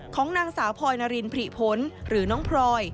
ของนางสาวพลอยนารินผลิผลหรือน้องพลอย